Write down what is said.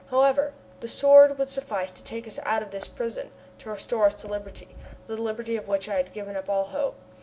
However, the Sword would suffice to take us out of this prison, to restore us to liberty that liberty of which I had given up all hope.